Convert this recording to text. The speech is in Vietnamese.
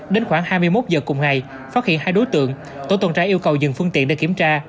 đến khoảng hai mươi một giờ cùng ngày phát hiện hai đối tượng tổ tuần tra yêu cầu dừng phương tiện để kiểm tra